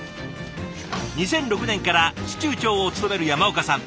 ２００６年から司厨長を務める山岡さん。